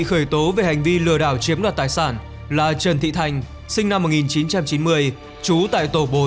khởi tố về hành vi lừa đảo chiếm đoạt tài sản là trần thị thành sinh năm một nghìn chín trăm chín mươi trú tại tổ bốn